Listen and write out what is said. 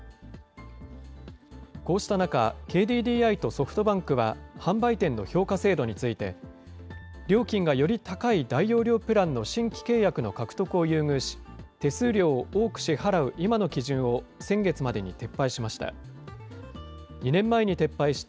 こうした中、ＫＤＤＩとソフトバンクは販売店の評価制度について、料金がより高い大容量プランの新規契約の獲得を優遇し、手数料を多く支払う今の基準を先月までに撤廃しました。